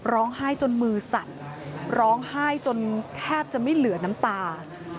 ร้องไห้จนมือสั่นร้องไห้จนแทบจะไม่เหลือน้ำตา